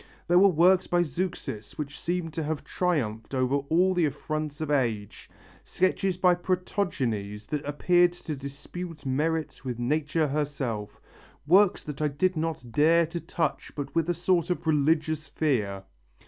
There were works by Zeuxis which seemed to have triumphed over all the affronts of age, sketches by Prothogenes that appeared to dispute merits with nature herself, works that I did not dare to touch but with a sort of religious fear.